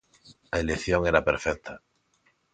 A elección era perfecta.